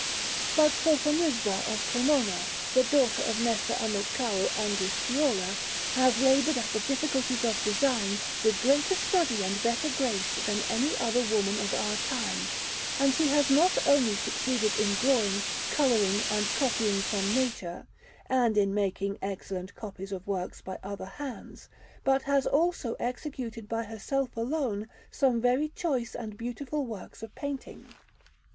But Sofonisba of Cremona, the daughter of Messer Amilcaro Anguisciuola, has laboured at the difficulties of design with greater study and better grace than any other woman of our time, and she has not only succeeded in drawing, colouring, and copying from nature, and in making excellent copies of works by other hands, but has also executed by herself alone some very choice and beautiful works of painting.